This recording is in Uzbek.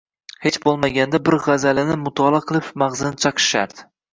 Hech bo‘lmaganda bir g‘azalini mutolaa qilib mag‘zini chaqish shart.